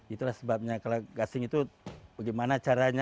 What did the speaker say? itulah sebabnya kalau gasing itu bagaimana caranya